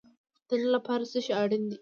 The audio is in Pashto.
د نن لپاره څه شی اړین دی؟